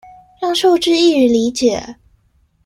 讓數據易於理解